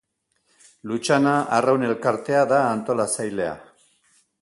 Lutxana Arraun Elkartea da antolatzailea.